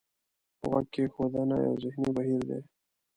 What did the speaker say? غوږ کېښودنه یو ذهني بهیر دی.